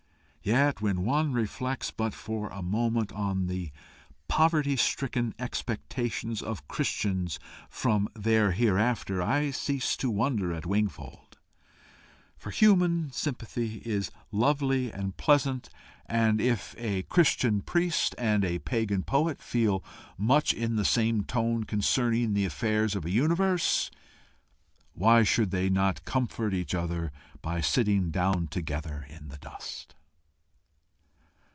Yet when one reflects but for a moment on the poverty stricken expectations of Christians from their hereafter, I cease to wonder at Wingfold; for human sympathy is lovely and pleasant, and if a Christian priest and a pagan poet feel much in the same tone concerning the affairs of a universe, why should they not comfort each other by sitting down together in the dust?